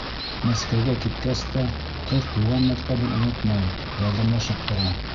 Мәскәүгә киткәс тә, ҡыҙ туған мәктәбен онотмай: ярҙамлашып тора.